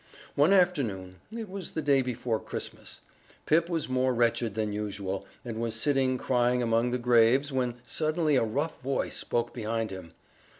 One afternoon it was the day before Christmas Pip was more wretched than usual, and was sitting crying among the graves when suddenly a rough voice spoke behind him.